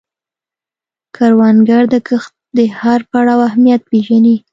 کروندګر د کښت د هر پړاو اهمیت پېژني